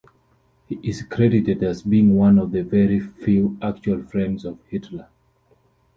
He is credited as being one of very few actual friends of Hitler.